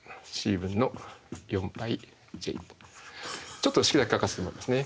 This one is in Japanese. ちょっと式だけ書かせてもらいますね。